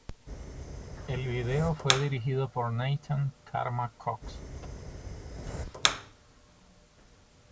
El video fue dirigido por Nathan "Karma" Cox.